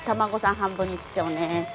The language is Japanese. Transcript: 半分に切っちゃおうね。